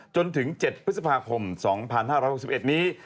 จนถึง๗พฤษภาคม๒๕๖๑นี้